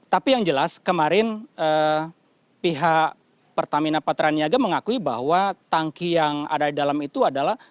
tapi yang jelas kemarin pihak pertamina patraniaga mengakui bahwa tangki yang ada di dalam itu adalah